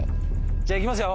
じゃあいきますよ。